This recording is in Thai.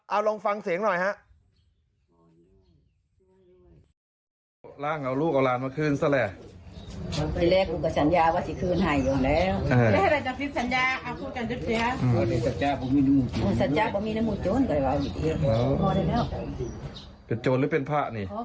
เอาลองฟังเสียงหน่อยฮะ